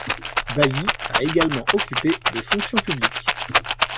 Bailly a également occupé des fonctions publiques.